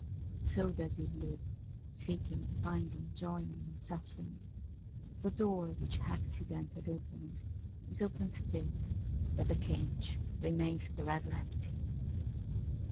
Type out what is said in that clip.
So does he live, seeking, finding, joying and suffering. The door which accident had opened is opened still, but the cage remains forever empty!